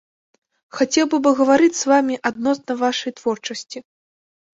Хацеў бы пагаварыць з вамі адносна вашай творчасці.